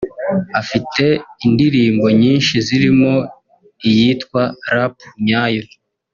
Afite indirimbo nyinshi zirimo iyitwa Rap Nyayo